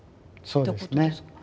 そうですね。